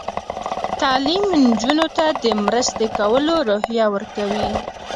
تعلیم نجونو ته د مرستې کولو روحیه ورکوي.